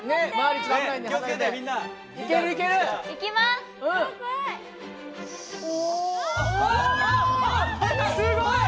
すごい！